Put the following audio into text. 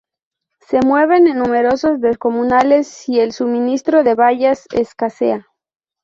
Se mueven en números descomunales si el suministro de bayas escasea.